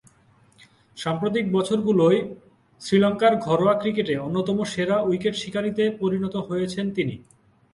সাম্প্রতিক বছরগুলোয় শ্রীলঙ্কার ঘরোয়া ক্রিকেটে অন্যতম সেরা উইকেট শিকারীতে পরিণত হয়েছেন তিনি।